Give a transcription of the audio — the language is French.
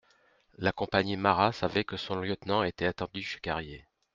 La compagnie Marat savait que son lieutenant était attendu chez Carrier.